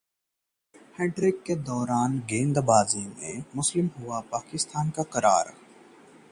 hat trick के दौरान अपनी गेंदबाजी में किया था इस हथियार का इस्तेमाल- टाय